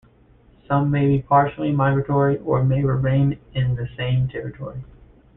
Some may be partially migratory or may remain in the same territory.